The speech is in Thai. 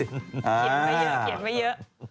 หยิบมาเยอะ